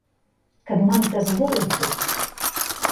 Kad man kas būtu.